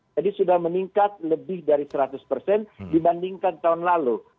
jadi sudah meningkat lebih dari seratus dibandingkan tahun lalu